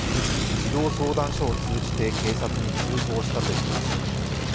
児童相談所を通じて警察に通報したといいます。